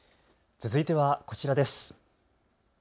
続いてはこちらです。